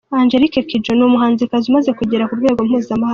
Angelique Kidjo ni umuhanzikazi umaze kugera ku rwego mpuzamahanga.